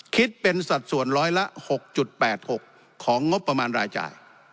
คิดเป็นสัดส่วนร้อยละ๖๘๖ของงบประมาณรายจ่าย